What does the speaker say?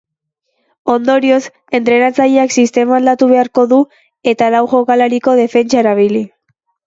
Ondorioz, entrenatzaileak sistema aldatu beharko du eta lau jokalariko defentsa erabili.